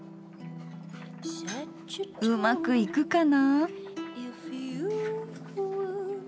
うまくいくかな？